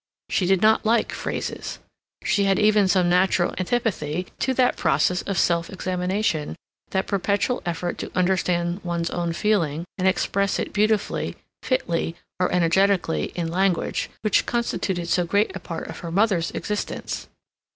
She did not like phrases. She had even some natural antipathy to that process of self examination, that perpetual effort to understand one's own feeling, and express it beautifully, fitly, or energetically in language, which constituted so great a part of her mother's existence.